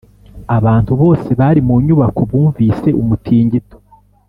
abantu bose bari mu nyubako bumvise umutingito.